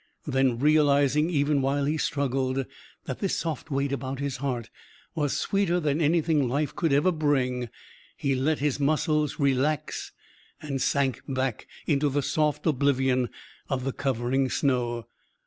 Then, realising even while he struggled that this soft weight about his heart was sweeter than anything life could ever bring, he let his muscles relax, and sank back into the soft oblivion of the covering snow.